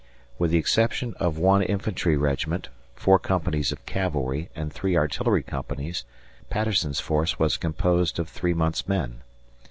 With the exception of one infantry regiment, four companies of cavalry, and three artillery companies, Patterson's force was composed of three months' men.